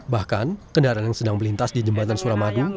bahkan kendaraan yang sedang melintas di jembatan suramadu